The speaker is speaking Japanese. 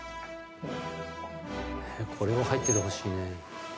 これは入っててほしいね。